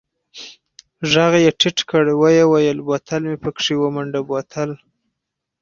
ږغ يې ټيټ کړ ويې ويل بوتل مې پکښې ومنډه بوتل.